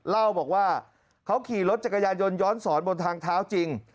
เล่าบอกว่าเขาขี่รถจักรยายนย้อนสอนบนทางเท้าจริง